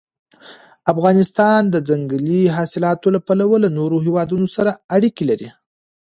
افغانستان د ځنګلي حاصلاتو له پلوه له نورو هېوادونو سره اړیکې لري.